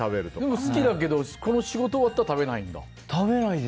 でも、好きだけど仕事終わったら食べないんだ。